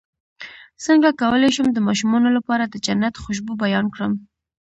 څنګه کولی شم د ماشومانو لپاره د جنت خوشبو بیان کړم